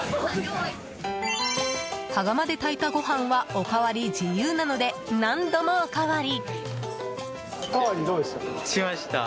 羽釜で炊いたご飯はおかわり自由なので何度もおかわり。